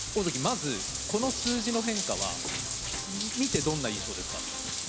まずこの数字の変化は見てどんな印象ですか？